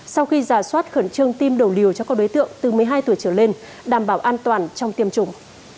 sau khi giả soát khẩn trương tiêm đầu liều cho các đối tượng từ một mươi hai tuổi trở lên đảm bảo an toàn trong tiêm chủng